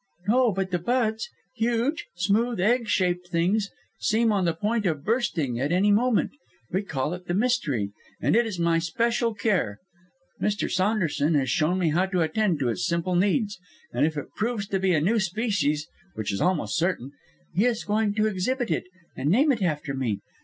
"No. But the buds huge, smooth, egg shaped things seem on the point of bursting at any moment. We call it the 'Mystery,' and it is my special care. Mr. Saunderson has shown me how to attend to its simple needs, and if it proves to be a new species which is almost certain he is going to exhibit it, and name it after me!